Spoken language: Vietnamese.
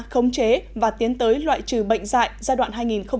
không chế và tiến tới loại trừ bệnh dạy giai đoạn hai nghìn hai mươi